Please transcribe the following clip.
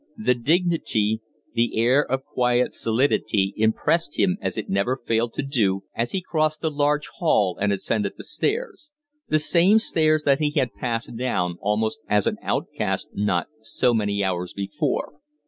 The dignity, the air of quiet solidity, impressed him as it never failed to do, as he crossed the large hall and ascended the stairs the same stairs that he had passed down almost as an outcast not so many hours before.